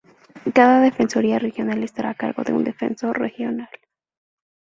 Cada Defensoría Regional estará a cargo de un Defensor Regional.